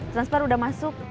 transpar udah masuk